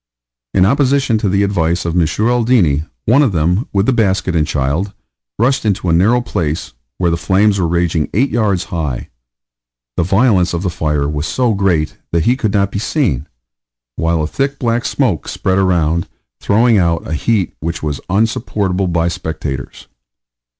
In opposition to the advice of M. Aldini, one of them, with the basket and child, rushed into a narrow place, where the flames were raging 8 yards high. The violence of the fire was so great that he could not be seen, while a thick black smoke spread around, throwing out a heat which was unsupportable by spectators.